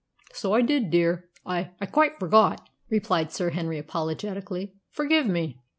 "So I did, dear; I I quite forgot," replied Sir Henry apologetically. "Forgive me.